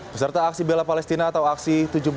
peserta aksi bela palestina atau aksi tujuh belas